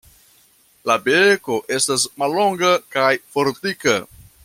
La beko estas mallonga kaj fortika.